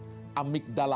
kita berada dalam amigdala